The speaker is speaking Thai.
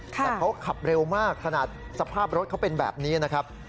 แต่เขาขับเร็วมากขนาดสภาพรถเขาเป็นแบบนี้นะครับ